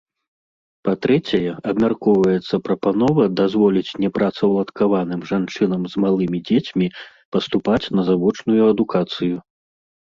Па-трэцяе, абмяркоўваецца прапанова дазволіць непрацаўладкаваным жанчынам з малымі дзецьмі паступаць на завочную адукацыю.